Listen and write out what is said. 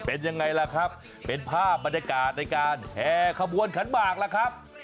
เป็นยังไงล่ะครับเป็นภาพบรรยากาศในการแห่ขบวนขันหมากล่ะครับ